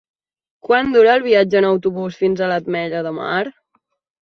Quant dura el viatge en autobús fins a l'Ametlla de Mar?